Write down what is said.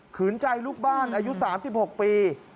ขืนใจลูกบ้านอายุ๓๖ปี